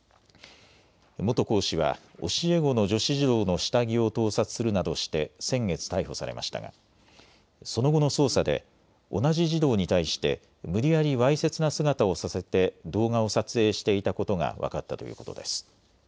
元講師は教え子の女子児童の下着を盗撮するなどして先月、逮捕されましたがその後の捜査で同じ児童に対して無理やりわいせつな姿をさせて動画を撮影していたことが分かったということです。